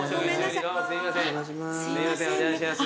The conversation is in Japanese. すいませんお邪魔します。